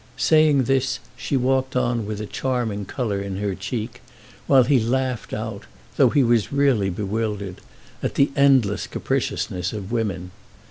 Saying this she walked on with a charming colour in her cheek, while he laughed out, though he was really bewildered, at the endless capriciousness of women.